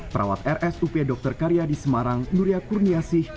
perawat rsup dr karya di semarang nuria kurniasih